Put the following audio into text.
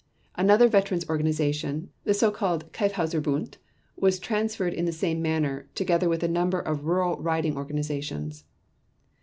Another veterans' organization, the so called Kyffhauserbund, was transferred in the same manner, together with a number of rural riding organizations.